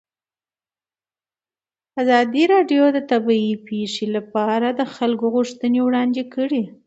ازادي راډیو د طبیعي پېښې لپاره د خلکو غوښتنې وړاندې کړي.